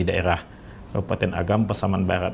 daerah kabupaten agam pasaman barat